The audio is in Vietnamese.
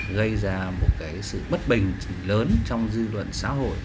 gây ra một cái sự bất bình lớn trong dư luận xã hội